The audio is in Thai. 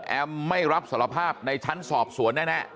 ไม่รับสารภาพในชั้นสอบสวนแน่